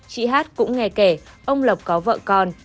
chị hát cũng nghe kể ông lộc có vợ con